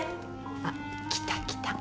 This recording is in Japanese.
あっ来た来た。